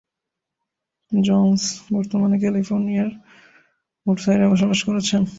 Jones বর্তমানে ক্যালিফোর্নিয়ার উডসাইডে বসবাস করছেন।